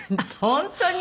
本当に？